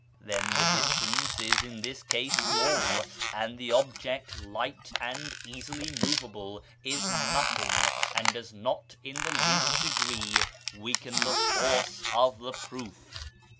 That the distance is in this case small, and the object light and easily movable, is nothing, and does not in the least degree weaken the force of the proof.